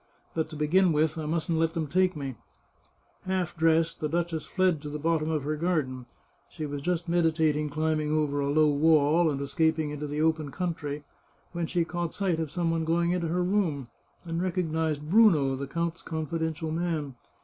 But to begin with, I mustn't let them take me !" Half dressed, the duchess fled to the bottom of her gar den. She was just meditating climbing over a low wall, and escaping into the open country, when she caught sight of some one going into her room, and recognised Bruno, the 432 The Chartreuse of Parma count's confidential man.